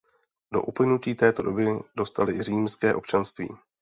Po uplynutí této doby dostali římské občanství.